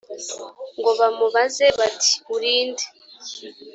ngo bamubaze bati uri nde